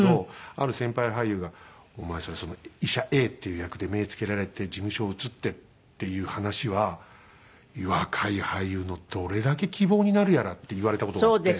ある先輩俳優が「お前その医者Ａっていう役で目付けられて事務所移ってっていう話は若い俳優のどれだけ希望になるやら」って言われた事があって。